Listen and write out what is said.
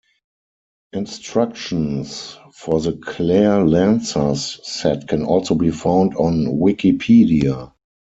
Instructions for the Clare Lancers Set can also be found on Wikipedia.